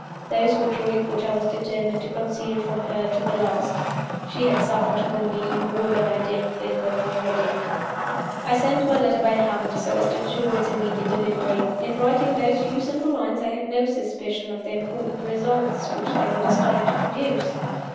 Those were truths which I was determined to conceal from her, to the last. She had suffered for me more than I dared think of, already! I sent my letter by hand, so as to ensure its immediate delivery. In writing those few simple lines, I had no suspicion of the important results which they were destined to produce.